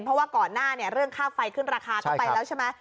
เพราะว่าก่อนหน้าเนี่ยเรื่องค่าไฟขึ้นราคาก็ไปแล้วใช่ไหม